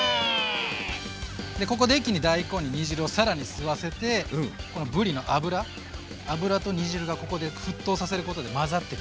ここで一気に大根に煮汁を更に吸わせてこのぶりの脂と煮汁がここで沸騰させることで混ざってきます。